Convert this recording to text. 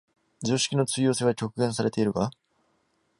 常識の通用性は局限されているが、